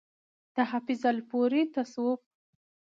د حافظ الپورئ تصوف